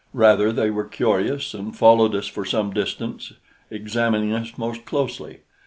Rather they were curious, and followed us for some distance examining us most closely.